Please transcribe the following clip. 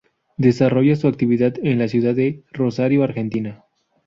Desarrolla su actividad en la ciudad de Rosario, Argentina.